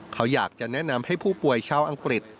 เขาอยากจะแนะนำให้ผู้ป่วยชาวอังกฤษ